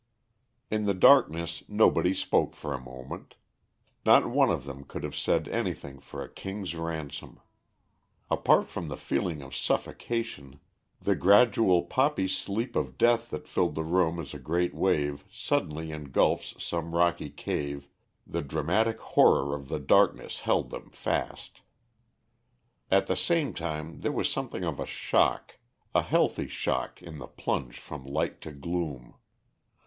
In the darkness nobody spoke for a moment. Not one of them could have said anything for a king's ransom. Apart from the feeling of suffocation, the gradual poppy sleep of death that filled the room as a great wave suddenly engulfs some rocky cave, the dramatic horror of the darkness held them fast. At the same time there was something of a shock, a healthy shock in the plunge from light to gloom.